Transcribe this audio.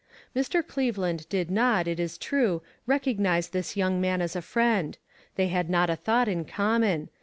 Mr. Cleveland did not, it is true, recog nize this young man as a friend; they had not a thought in common.